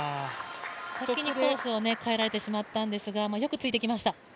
先にコースを変えられてしまったんですが、よくついていきました。